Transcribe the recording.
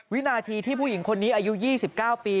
วินาทีที่ผู้หญิงคนนี้อายุ๒๙ปี